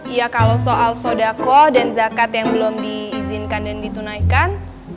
iya kalau soal sodakoh dan zakat yang belum diizinkan dan ditunaikan